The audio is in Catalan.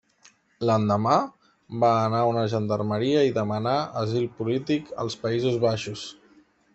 L'endemà, va anar a una gendarmeria i demanà asil polític als Països Baixos.